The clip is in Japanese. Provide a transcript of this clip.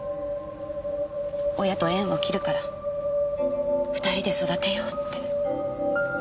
「親と縁を切るから２人で育てよう」って。